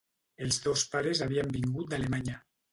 Els dos pares havien vingut d'Alemanya.